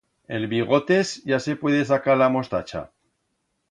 El bigotes ya se puede sacar la mostacha.